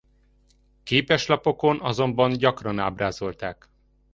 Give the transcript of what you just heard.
Képeslapokon azonban gyakran ábrázolták.